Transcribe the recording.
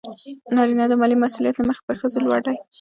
نارینه د مالي مسئولیت له مخې پر ښځو لوړ دی.